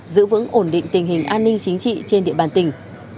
giữ vững ổn định tình hình an ninh chính trị trên địa bàn tỉnh